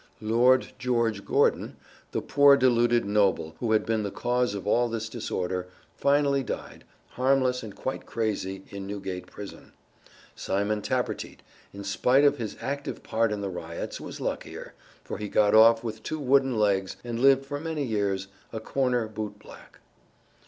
Lord George Gordon, the poor deluded noble who had been the cause of all this disorder, finally died, harmless and quite crazy, in Newgate Prison. Simon Tappertit, in spite of his active part in the riots, was luckier, for he got off with two wooden legs and lived for many years, a corner boot black.